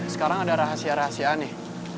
sekarang ada rahasia rahasia nih